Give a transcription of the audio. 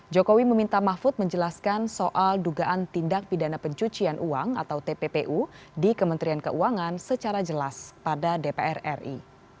jokowi meminta mahfud menjelaskan soal dugaan tindak pidana pencucian uang atau tppu di kementerian keuangan secara jelas pada dpr ri